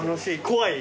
怖い？